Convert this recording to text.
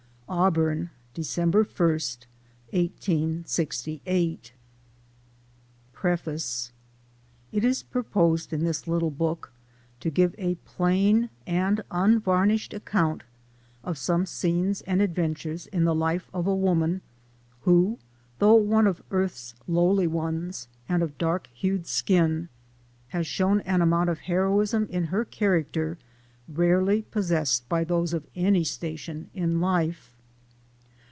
AUBUKN, Dec. 1, 1868. PEEFAOE. IT is proposed in this little book to give a plain and unvarnished account of some scenes and adven tures in the life of a woman who, though one of earth's lowly ones, and of dark hued skin, has shown an amount of heroism in her character rarely possessed by those of any station in life.